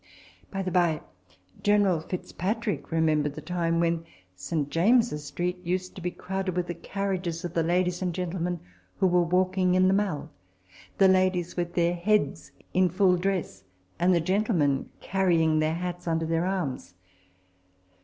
By the bye, General Fitzpatrick remembered the time when St. James's Street used to be crowded TABLE TALK OF SAMUEL ROGERS 7 with the carriages of the ladies and gentlemen who were walking in the Mall, the ladies with their heads in full dress, and the gentlemen carrying their hats under their arms.